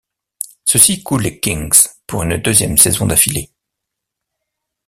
Ceci coule les Kings pour une deuxième saison d'affilée.